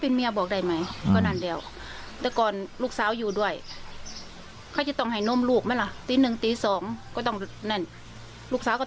ตปี๑ตี๒มันช่าหยัดที่ไหนละ